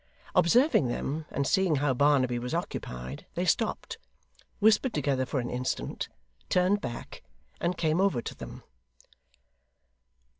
Observing them, and seeing how Barnaby was occupied, they stopped, whispered together for an instant, turned back, and came over to them.